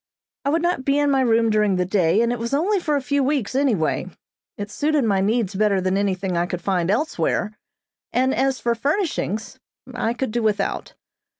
I would not be in my room during the day, and it was only for a few weeks anyway. It suited my needs better than anything I could find elsewhere, and as for furnishings, I could do without.